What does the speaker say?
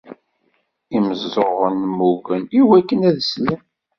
Imeẓẓuɣen mmugen i wakken ad slen.